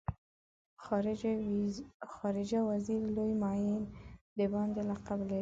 خارجه وزیر لوی معین د باندې لقب لري.